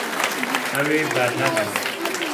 Ew ê bernedin.